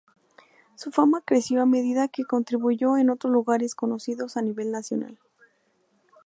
Su fama creció a medida que contribuyó en otros lugares conocidos a nivel nacional.